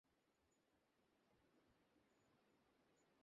চোখের সামনে যে ছিল তাকে আঁকড়ে ধরিসনি তুই।